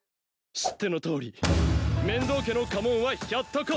知ってのとおり面堂家の家紋はひょっとこ！